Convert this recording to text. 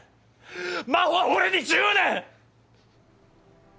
真帆は俺に１０年！